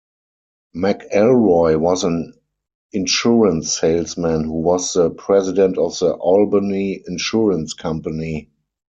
McElroy was an insurance salesman who was the president of the Albany Insurance Company.